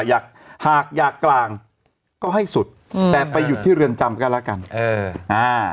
อยากหากอยากกลางก็ให้สุดอืมแต่ไปหยุดที่เรือนจำก็แล้วกันเอออ่า